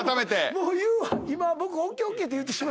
もう言うわ。